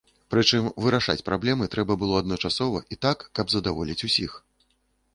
Прычым вырашаць праблемы трэба было адначасова і так, каб задаволіць усіх.